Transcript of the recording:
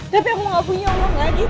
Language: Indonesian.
tapi aku gak punya uang lagi